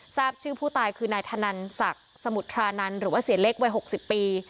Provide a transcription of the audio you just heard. ทราบชื่อผู้ตายคือนายธนันศักดิ์สมุทรานันหรือว่าเสียเล็กวัย๖๐ปี